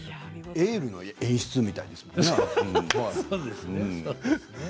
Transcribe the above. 「エール」の演出みたいですよね